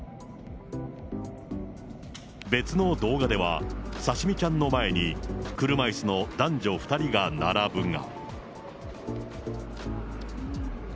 別の動画では、さしみちゃんの前に車いすの男女２人が並ぶが。